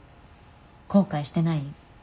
後悔してない？